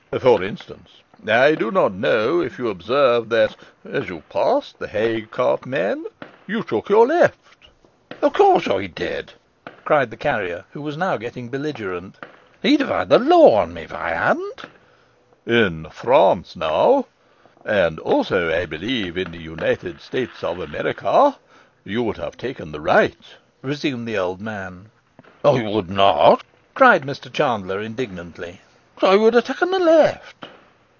For instance, I do not know if you observed that (as you passed the hay cart man) you took your left?' 'Of course I did,' cried the carrier, who was now getting belligerent; 'he'd have the law on me if I hadn't.' 'In France, now,' resumed the old man, 'and also, I believe, in the United States of America, you would have taken the right.' 'I would not,' cried Mr Chandler indignantly. 'I would have taken the left.